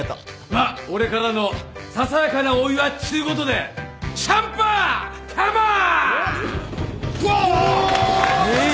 まっ俺からのささやかなお祝いっつうことでシャンパンカモン！おっ！